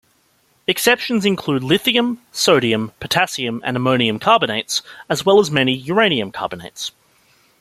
Exceptions include lithium, sodium, potassium and ammonium carbonates, as well as many uranium carbonates.